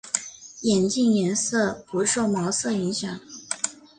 眼镜颜色不受毛色影响。